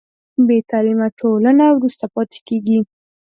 بې تعلیمه ټولنه وروسته پاتې کېږي.